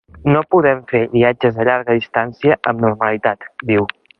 “No podem fer viatges de llarga distància amb normalitat”, diu.